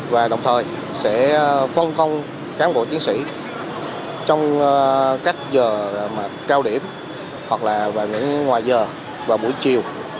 và đồng thời sẽ phân công cán bộ chiến sĩ trong các giờ cao điểm hoặc là vào những ngoài giờ và buổi chiều